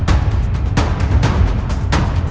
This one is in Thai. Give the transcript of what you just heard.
ตอนที่สุดมันกลายเป็นสิ่งที่ไม่มีความคิดว่า